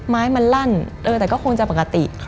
ไม้มันลั่นแต่ก็คงจะปกติ